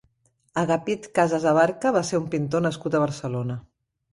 Agapit Casas Abarca va ser un pintor nascut a Barcelona.